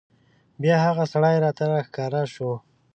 بیا هغه سړی راته راښکاره شو.